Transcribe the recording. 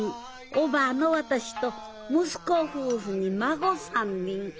おばぁの私と息子夫婦に孫３人。